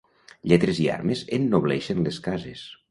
Lletres i armes ennobleixen les cases.